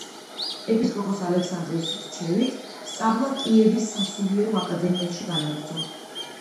ეპისკოპოს ალექსანდრეს რჩევით, სწავლა კიევის სასულიერო აკადემიაში განაგრძო.